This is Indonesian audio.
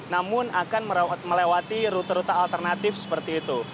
namun akan melewati rute rute alternatif seperti itu